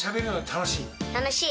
楽しい。